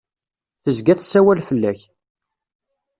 Tezga tessawal fell-ak.